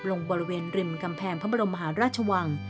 ลงบริเวณริมกำแพงพระบรมหาราชวัง